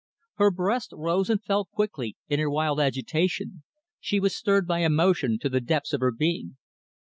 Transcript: Her breast rose and fell quickly in her wild agitation. She was stirred by emotion to the depths of her being.